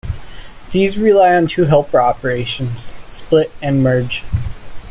These rely on two helper operations, "split" and "merge".